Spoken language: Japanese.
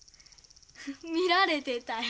見られてたよ。